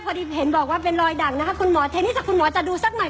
เห็นบอกว่าเป็นรอยดักนะคะคุณหมอทีนี้ถ้าคุณหมอจะดูสักหน่อย